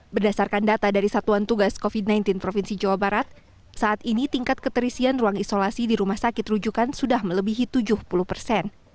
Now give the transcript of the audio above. berdasarkan data dari satuan tugas covid sembilan belas provinsi jawa barat saat ini tingkat keterisian ruang isolasi di rumah sakit rujukan sudah melebihi tujuh puluh persen